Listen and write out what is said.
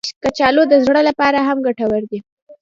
کچالو د زړه لپاره هم ګټور دي